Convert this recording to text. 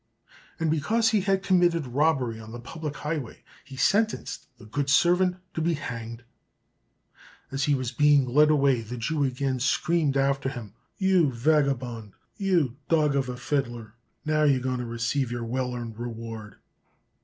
And because he had committed robbery on the public highway, he sentenced the good servant to be hanged. As he was being led away the Jew again screamed after him, "You vagabond! you dog of a fiddler! now you are going to receive your well earned reward!"